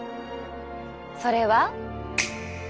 それは。